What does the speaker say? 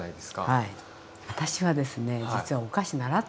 はい。